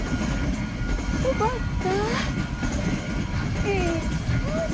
よがった元気そうで。